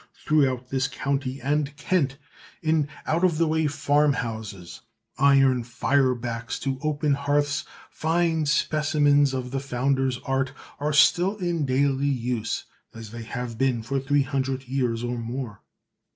Throughout this county and Kent, in out of the way farm houses, iron fire backs to open hearths, fine specimens of the founder's art, are still in daily use as they have been for three hundred years or more.